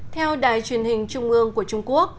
theo đài truyền hình trung ương của trung quốc